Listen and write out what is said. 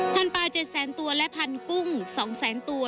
พันปลา๗๐๐ตัวและพันกุ้ง๒๐๐ตัว